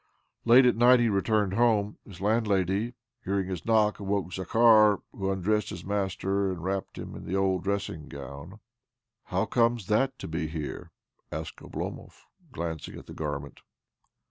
Late at night hfe returned home. His landlady, hearing his knock, awoke Zakhar, who undressed his master, and wrapped him in the old dressing gown. "How comes that to be here?" asked Oblomov, glancing at the gannent.